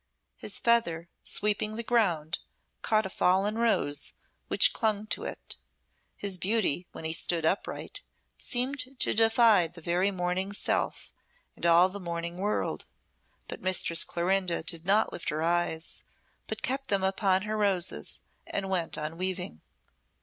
His feather, sweeping the ground, caught a fallen rose, which clung to it. His beauty, when he stood upright, seemed to defy the very morning's self and all the morning world; but Mistress Clorinda did not lift her eyes, but kept them upon her roses, and went on weaving.